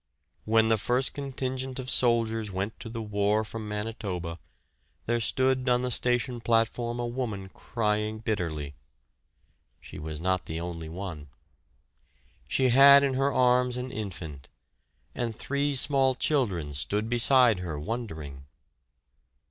When the first contingent of soldiers went to the war from Manitoba, there stood on the station platform a woman crying bitterly. (She was not the only one.) She had in her arms an infant, and three small children stood beside her wondering.